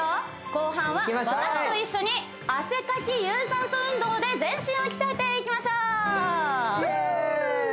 後半は私と一緒に汗かき有酸素運動で全身を鍛えていきましょうイエーイ！